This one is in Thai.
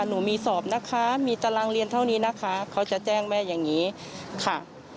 หนูมีสอบนะคะมีตารางเรียนเท่านี้นะคะเขาจะแจ้งแม่อย่างนี้ค่ะ